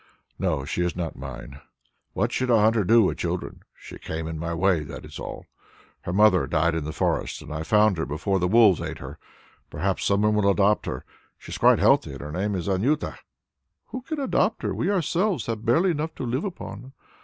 "No, she is not mine. What should a hunter do with children? She came in my way, that is all. Her mother died in the forest and I found her before the wolves ate her. Perhaps some one will adopt her. She is quite healthy and her name is Anjuta." "Who can adopt her? We ourselves have barely enough to live upon.